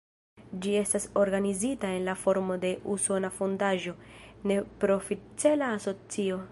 Ĝi estas organizita en la formo de usona fondaĵo, ne-profit-cela asocio.